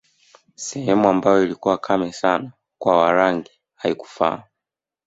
Sehemu ambayo ilikuwa kame sana kwa Warangi haikufaa